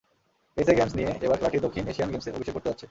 SA games দিয়ে এবার খেলাটির দক্ষিণ এশিয়ান গেমসে অভিষেক ঘটতে যাচ্ছে।